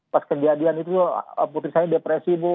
pas kejadian itu putri saya depresi bu